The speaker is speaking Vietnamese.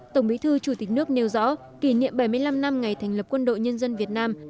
tổng bí thư chủ tịch nước nêu rõ kỷ niệm bảy mươi năm năm ngày thành lập quân đội nhân dân việt nam